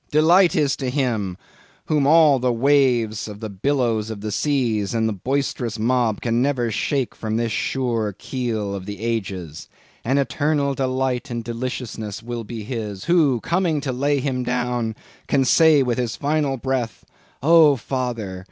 Delight is to him, whom all the waves of the billows of the seas of the boisterous mob can never shake from this sure Keel of the Ages. And eternal delight and deliciousness will be his, who coming to lay him down, can say with his final breath—O Father!